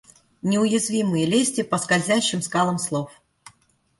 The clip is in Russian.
Неуязвимые, лезьте по скользящим скалам слов.